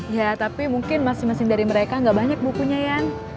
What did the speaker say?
ya tapi mungkin masing masing dari mereka gak banyak bukunya yan